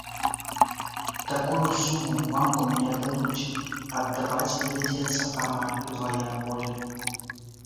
Такую суму ў банку мне дадуць, аддаваць давядзецца амаль удвая болей.